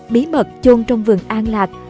bí mật chôn trong vườn an lạc